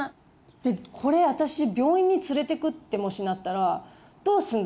でこれ私病院に連れてくってもしなったらどうすんだろって。